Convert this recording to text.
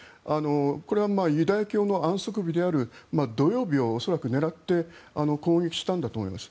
これはユダヤ教の安息日である土曜日を恐らく狙って攻撃したんだと思います。